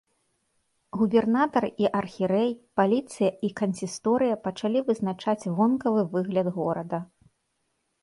Губернатар і архірэй, паліцыя і кансісторыя пачалі вызначаць вонкавы выгляд горада.